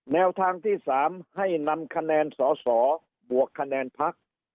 แนวทางที่๓ให้นำคะแนนสอสอบวกคะแนนพัก